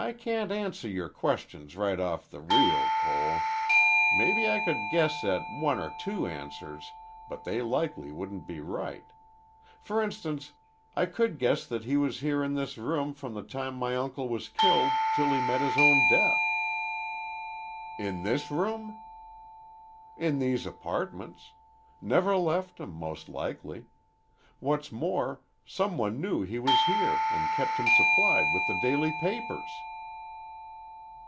"I can't answer your questions right off the reel, Cole. Mebbe I could guess at one or two answers, but they likely wouldn't be right. F'r instance, I could guess that he was here in this room from the time my uncle was killed till he met his own death." "In this room?" "In these apartments. Never left 'em, most likely. What's more, some one knew he was here an' kept him supplied with the daily papers."